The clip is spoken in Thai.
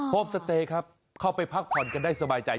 โฮมสเตย์ครับเข้าไปพักผ่อนกันได้สบายใจ